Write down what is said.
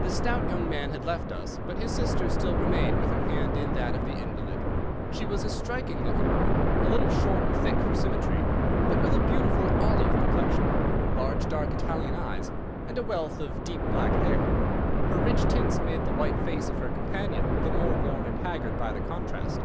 The stout young man had left us, but his sister still remained with her hand in that of the invalid. She was a striking looking woman, a little short and thick for symmetry, but with a beautiful olive complexion, large, dark, Italian eyes, and a wealth of deep black hair. Her rich tints made the white face of her companion the more worn and haggard by the contrast.